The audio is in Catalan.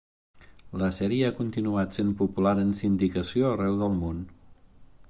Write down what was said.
La sèrie ha continuat sent popular en sindicació arreu del món.